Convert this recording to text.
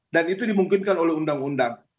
dan itu dimungkinkan oleh undang undang